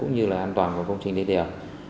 như là an toàn của công trình địa điểm